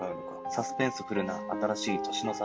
サスペンスフルな新しい年の差